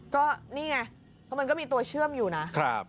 ก็นี่ไงเพราะมันก็มีตัวเชื่อมอยู่นะ